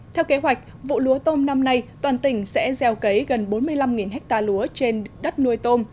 theo kế hoạch vụ lúa tôm năm nay toàn tỉnh sẽ gieo cấy gần bốn mươi năm ha lúa trên đất nuôi tôm